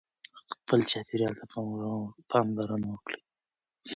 خپل چاپېریال ته پاملرنه وکړئ.